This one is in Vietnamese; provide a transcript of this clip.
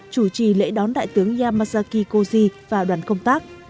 chủ trì lễ đón đại tướng yamazaki koji và đoàn công tác